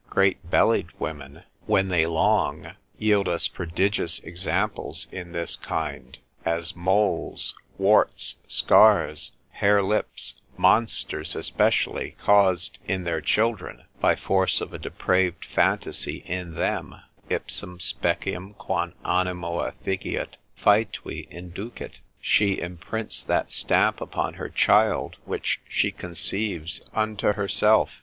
Great bellied women, when they long, yield us prodigious examples in this kind, as moles, warts, scars, harelips, monsters, especially caused in their children by force of a depraved phantasy in them: Ipsam speciem quam animo effigiat, faetui inducit: She imprints that stamp upon her child which she conceives unto herself.